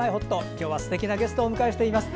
今日はすてきなゲストをお迎えしています。